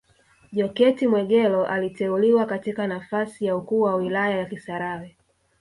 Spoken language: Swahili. Jokate Mwegelo aliteuliwa katika nafasi ya ukuu wa wilaya ya Kisarawe